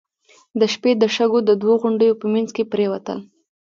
د شپې د شګو د دوو غونډيو په مينځ کې پرېوتل.